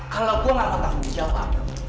kalau gue gak tau siapa